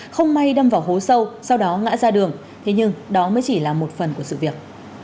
không may đâm vào hố sâu sau đó ngã ra đường thế nhưng đó mới chỉ là một phần của sự việc